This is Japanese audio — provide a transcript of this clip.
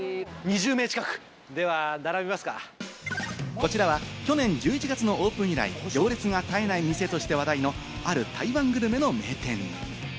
こちらは去年１１月のオープン以来、行列が絶えない店として話題のある台湾グルメの名店。